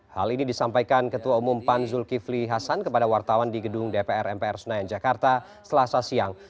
hal ini disampaikan ketua umum pan zulkifli hasan kepada wartawan di gedung dpr mpr senayan jakarta selasa siang